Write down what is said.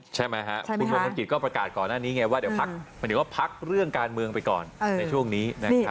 ใช่ไหมคะคุณธนคลกก็ประกาศก่อนหน้านี้ไงว่าเดี๋ยวพักเรื่องการเมืองไปก่อนในช่วงนี้นะครับ